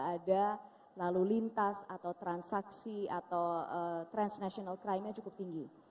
ada lalu lintas atau transaksi atau transnational crime nya cukup tinggi